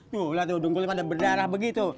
yulah tuh dungkulnya pada berdarah begitu